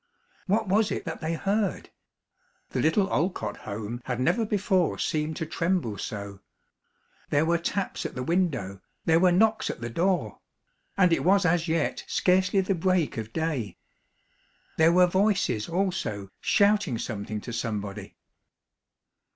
What was it that they heard? The little Olcott home had never before seemed to tremble so. There were taps at the window, there were knocks at the door and it was as yet scarcely the break of day! There were voices also, shouting something to somebody.